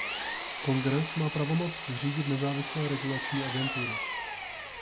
Kongres má pravomoc zřídit nezávislé regulační agentury.